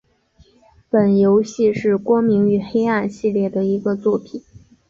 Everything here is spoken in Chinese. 本游戏是光明与黑暗系列的一个作品。